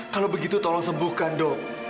kalau begitu tolong sembuhkan dok